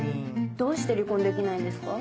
どうして離婚できないんですか？